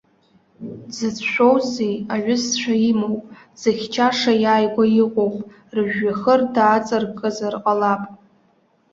Дзыцәшәозеи, аҩызцәа имоуп, дзыхьчаша иааигәа иҟоуп, рыжәҩахыр дааҵаркызар ҟалап.